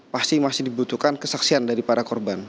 pasti masih dibutuhkan kesaksian dari para korban